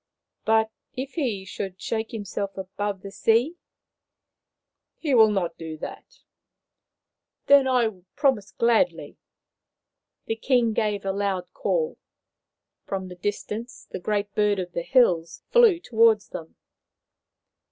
" But if he should shake himself above the sea ?"" He will not do that." " Then I promise gladly." The king gave a loud call. From the distance the Great Bird of the Hills flew towards them.